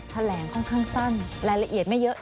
แผ่นแหลงค่อนข้างสั้นและละเอียดไม่เยอะ